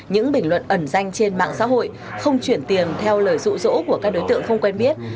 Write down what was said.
những bình luận ẩn danh trên mạng xã hội không chuyển tiền theo lời rụ rỗ của các đối tượng không quen biết